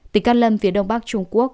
tỉnh cát lâm phía đông bắc trung quốc